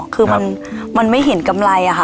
คือมันไม่เห็นกำไรอะค่ะ